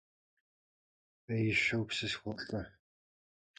Ӏеищэу псы схуолӏэ.